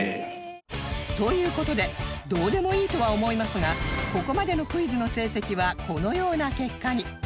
という事でどうでもいいとは思いますがここまでのクイズの成績はこのような結果に